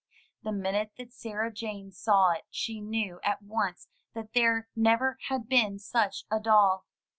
The minute that Sarah Jane saw it she knew at once that there never had been such a doll.